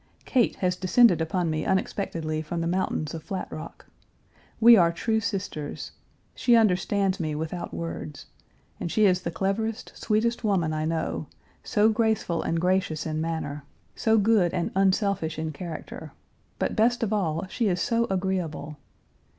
Kate has descended upon me unexpectedly from the mountains of Flat Rock. We are true sisters; she understands me without words, and she is the cleverest, sweetest woman I know, so graceful and gracious in manner, so good and Page 330 unselfish in character, but, best of all, she is so agreeable.